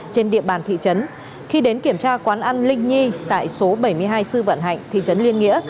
trên địa bàn thị trấn khi đến kiểm tra quán ăn linh nhi tại số bảy mươi hai sư vạn hạnh thị trấn liên nghĩa